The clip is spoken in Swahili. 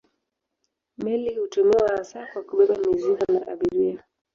Meli hutumiwa hasa kwa kubeba mizigo na abiria.